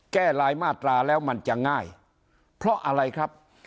ลายมาตราแล้วมันจะง่ายเพราะอะไรครับ